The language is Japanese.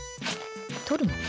とるの。